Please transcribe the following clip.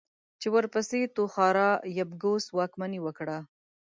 چې ورپسې توخارا يبگوس واکمني وکړه.